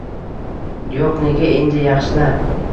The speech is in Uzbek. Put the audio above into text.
Yo‘q, nega endi, yaxshilar.